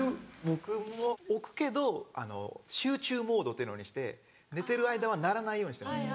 僕も置くけど集中モードっていうのにして寝てる間は鳴らないようにしてます。